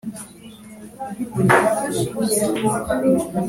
abahanzi na bo birabareba kuko baba bakurikirwa n’abantu benshi.